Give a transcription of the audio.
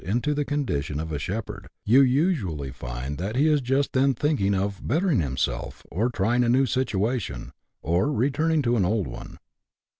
into the condition of a shepherd, you usually find that he is just then thinking of " bettering himself," by trying a new situation, or returning to an old one.